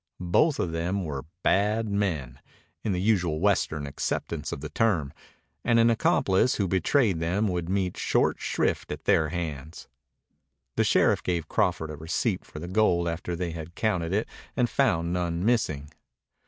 Both of them were "bad men," in the usual Western acceptance of the term, and an accomplice who betrayed them would meet short shrift at their hands. The sheriff gave Crawford a receipt for the gold after they had counted it and found none missing.